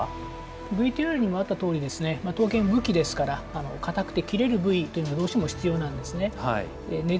ＶＴＲにもあったとおり刀剣、武器ですから硬くて切れる部位というのはどうしても必要なんですね。